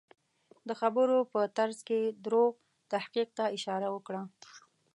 د خبرو په ترڅ کې دروغ تحقیق ته اشاره وکړه.